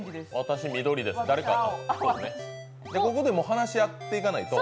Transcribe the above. ここでもう話し合っていかないと？